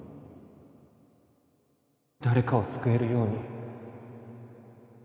誰かを救えるように